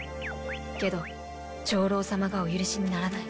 けど長老様がお許しにならない。